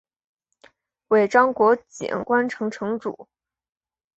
尾张国井关城城主。